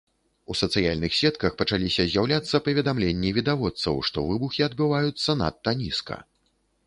У сацыяльных сетках пачаліся з'яўляцца паведамленні відавочцаў, што выбухі адбываюцца надта нізка.